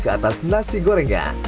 ke atas nasi gorengnya